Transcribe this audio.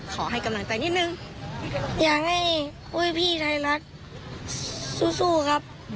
ขอให้กำลังใจนิดนึงอยากให้อุ้ยพี่ไทยรัฐสู้ครับ